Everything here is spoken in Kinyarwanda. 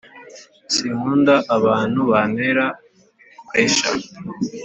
Sinkunda abanu banera puresha